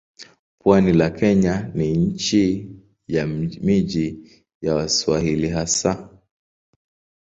Pwani la Kenya ni nchi ya miji ya Waswahili hasa.